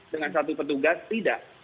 dengan satu petugas tidak